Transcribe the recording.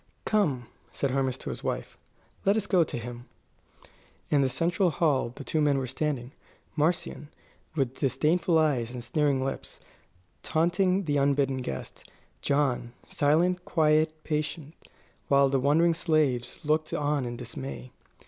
"Come," said Hermas to his wife, "let us go to him." In the central hall the two men were standing; Marcion, with disdainful eyes and sneering lips, taunting the unbidden guest; John, silent, quiet, patient, while the wondering slaves looked on in dismay.